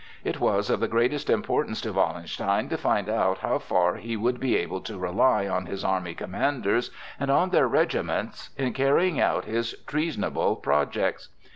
It was of the greatest importance to Wallenstein to find out how far he would be able to rely on his army commanders and on their regiments in carrying out his treasonable projects.